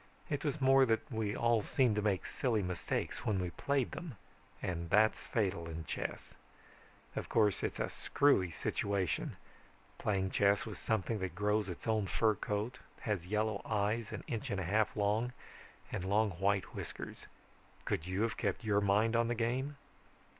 It was more that we all seemed to make silly mistakes when we played them and that's fatal in chess. Of course it's a screwy situation, playing chess with something that grows its own fur coat, has yellow eyes an inch and a half long and long white whiskers. Could you have kept your mind on the game?